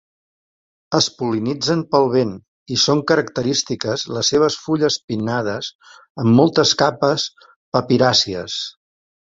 Es pol·linitzen pel vent i són característiques les seves fulles pinnades amb moltes capes papiràcies.